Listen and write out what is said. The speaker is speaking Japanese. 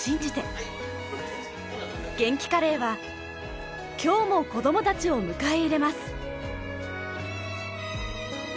げんきカレーは今日も子どもたちを迎え入れます！